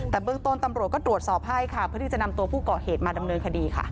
แต่เบื้องต้นตำรวจก็ตรวจสอบให้ค่ะเพื่อที่จะนำตัวผู้ก่อเหตุมาดำเนินคดีค่ะ